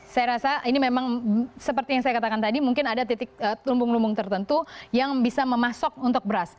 saya rasa ini memang seperti yang saya katakan tadi mungkin ada titik lumbung lumbung tertentu yang bisa memasok untuk beras